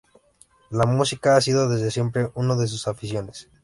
La música ha sido desde siempre una de sus aficiones.